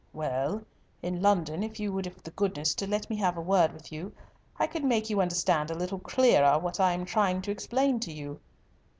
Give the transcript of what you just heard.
"Well, in London if you would have the goodness to let me have a word with you I could make you understand a little clearer what I am trying to explain to you.